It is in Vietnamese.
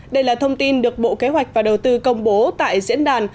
đây là thông tin được bộ kế hoạch và đầu tư công bố tại diễn đàn